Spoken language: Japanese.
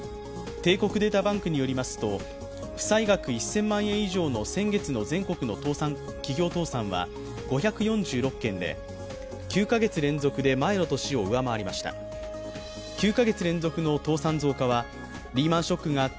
帝国データバンクによりますと負債額１０００万円以上の先月の全国の企業倒産は５４６件で９か月連続で前の年を上回りました９か月連続の倒産増加はリーマン・ショックがあった